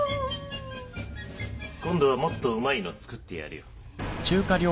今度はもっとうまいの作ってやるよ。